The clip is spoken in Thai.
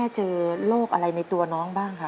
ขอเอ็กซาเรย์แล้วก็เจาะไข่ที่สันหลังค่ะ